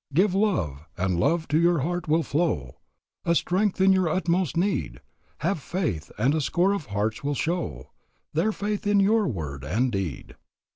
"Give love, and love to your heart will flow, A strength in your utmost need; Have faith, and a score of hearts will show Their faith in your word and deed."